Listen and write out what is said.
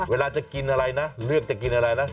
เวลาจะกินอะไรนะเลือกจะกินอะไรนะ